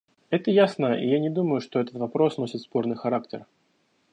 Это ясно, и я не думаю, что этот вопрос носит спорный характер.